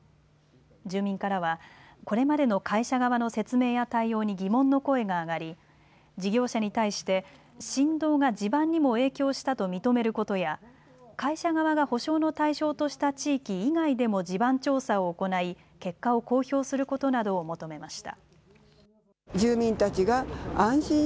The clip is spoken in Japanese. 住民からはこれまでの会社側の説明や対応に疑問の声が上がり事業者に対して振動が地盤にも影響したと認めることや会社側が補償の対象とした地域以外でも地盤調査を行い結果を公表することなどを求めました。